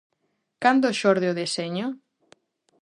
Cando xorde o deseño?